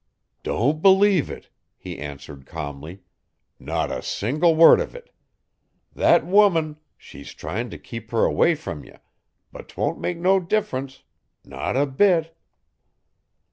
'Don't believe it,' he answered calmly. 'Not a single word of it. Thet woman she's tryin' t' keep her away from ye but 'twon't make no differ'nce. Not a bit.